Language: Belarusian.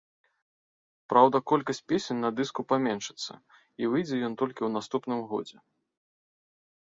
Праўда, колькасць песень на дыску паменшыцца і выйдзе ён толькі ў наступным годзе.